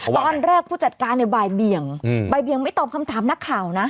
ตอนแรกผู้จัดการเนี่ยบ่ายเบียงบ่ายเบียงไม่ตอบคำถามนักข่าวนะ